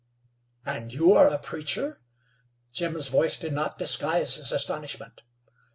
"And you are a preacher?" Jim's voice did not disguise his astonishment.